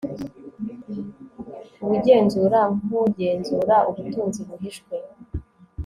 Ubugenzura nkugenzura ubutunzi buhishwe